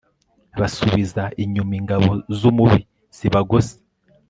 basubiza inyuma ingabo zumubi zibagose